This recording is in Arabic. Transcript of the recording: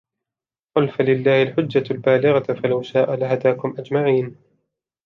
قل فلله الحجة البالغة فلو شاء لهداكم أجمعين